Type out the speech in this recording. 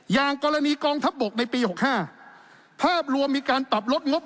อย่างกรณีกองทัพบกในปี๖๕ภาพรวมมีการปรับลดงบ